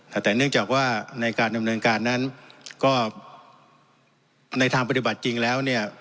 แต่เนื่องจากว่าในการดำเนินการนั้นก็ในทางปฏิบัติจริงแล้วเนี่ย